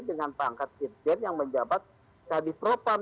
dengan pangkat urgent yang menjabat tadi propam